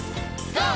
ＧＯ！